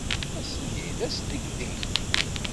Ass-nni d asdegdeg.